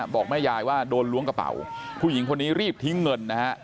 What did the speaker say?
บอกแม่ยายว่าโดนล้วงกระเป๋าผู้หญิงคนนี้รีบทิ้งเงินนะฮะ